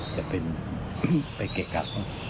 จะเป็นไปเกะกะ